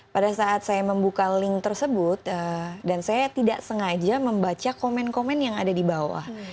pada saat saya membuka link tersebut dan saya tidak sengaja membaca komen komen yang ada di bawah